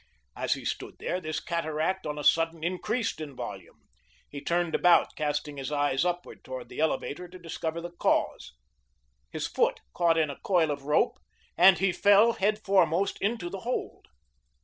As he stood there, this cataract on a sudden increased in volume. He turned about, casting his eyes upward toward the elevator to discover the cause. His foot caught in a coil of rope, and he fell headforemost into the hold.